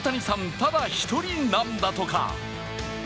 ただ一人なんだとか。